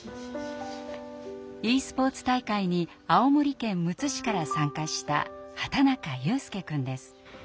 ｅスポーツ大会に青森県むつ市から参加した畑中悠翼くんです。